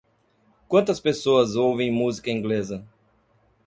Quantas pessoas ouvem música inglesa?